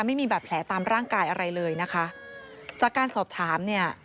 ไม่มีบาดแผลตามร่างกายอะไรเลยนะคะจากการสอบถามเนี่ย